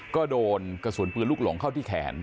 ก็โดนกระสุนปืนลูกหลงเข้าที่แขน